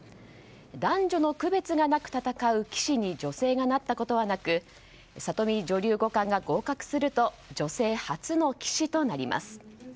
男女の区別がなく戦う棋士に女性がなったことはなく里見女流五冠が合格すると女性初の棋士となります。